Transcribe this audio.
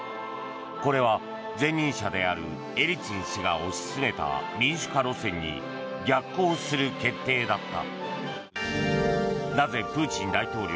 これは前任者であるエリツィン氏が推し進めた民主化路線に逆行する決定だった。